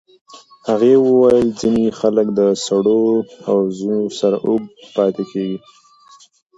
هغې وویل ځینې خلک د سړو حوضونو سره اوږد پاتې کېږي.